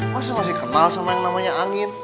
masih masih kenal sama yang namanya angin